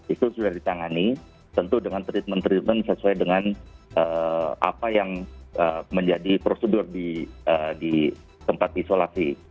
itu sudah ditangani tentu dengan treatment treatment sesuai dengan apa yang menjadi prosedur di tempat isolasi